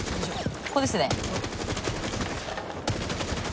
ここですね。